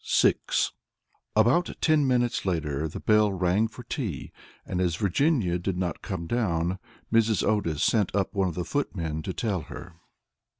VI About ten minutes later, the bell rang for tea, and, as Virginia did not come down, Mrs. Otis sent up one of the footmen to tell her.